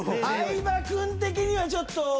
相葉君的にはちょっと。